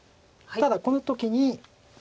ただこの時に。